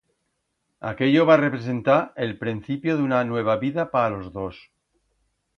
Aquello va representar el prencipio d'una nueva vida pa los dos.